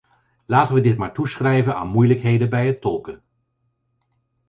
Laten we dit maar toeschrijven aan moeilijkheden bij het tolken.